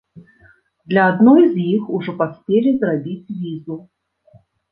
Для адной з іх ужо паспелі зрабіць візу.